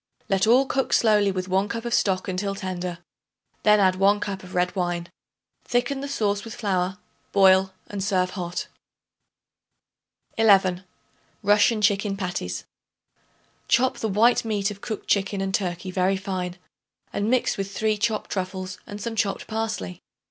Let all cook slowly with 1 cup of stock until tender; then add 1 cup of red wine. Thicken the sauce with flour, boil and serve hot. 11. Russian Chicken Patties. Chop the white meat of cooked chicken and turkey very fine and mix with 3 chopped truffles and some chopped parsley.